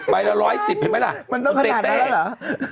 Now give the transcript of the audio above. ไปละ๑๑๐เห็นไหมล่ะตัวเตะมันต้องขนาดนั้นแล้วเหรอ